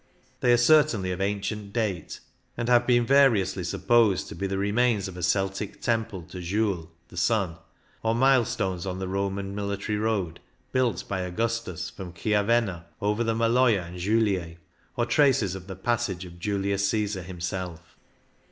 They are certainly of ancient date, and THE JULIER 85 have been variously supposed to be the remains of a Celtic Temple to Jul (the sun), or milestones on the Roman military road built by Augustus from Chiavenna over the Maloja and Julier, or traces of the passage of Julius Caesar himself.